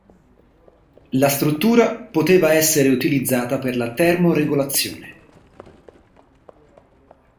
La struttura poteva essere utilizzata per la termoregolazione.